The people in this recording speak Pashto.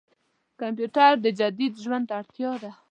کمپيوټر د جديد ژوند اړتياده.